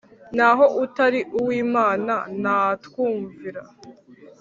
naho utari uw'Imana ntatwumvira.